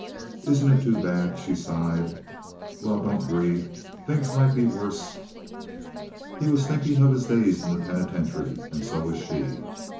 "Isn't it too bad?" she sighed. "Well, don't grieve. Things might be worse." He was thinking of his days in the penitentiary, and so was she.